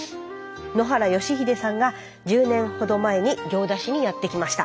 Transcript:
野原徳秀さんが１０年ほど前に行田市にやって来ました。